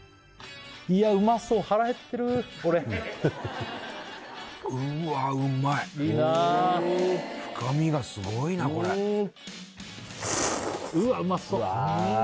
いやうまそう腹減ってる俺いいなあ深みがすごいなこれうわうまそうわ